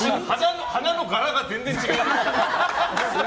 花の柄が全然違います！